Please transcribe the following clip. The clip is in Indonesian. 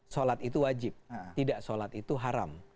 sholat itu wajib tidak sholat itu haram